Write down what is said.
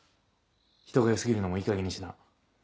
人が良過ぎるのもいいかげんにしな。